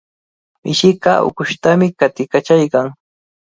Mishiqa ukushtami qatiykachaykan.